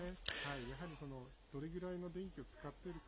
やはりどれぐらいの電気を使っているか。